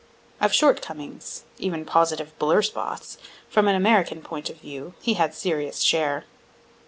Of short comings, even positive blur spots, from an American point of view, he had serious share.